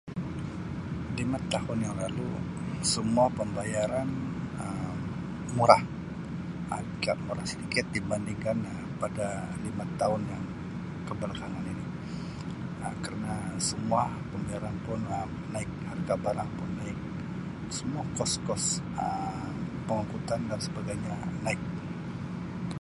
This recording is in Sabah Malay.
Lima tahun yang lalu semua pembayaran Um murah agak murah sedikit dibandingkan Um pada Um lima tahun yang kebalakangan ini Um kerna semua pembayaran pun Um naik, harga barang pun naik semua kos-kos Um pengangkutan dan sebagainya naik.